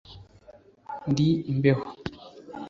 ndi imbeho.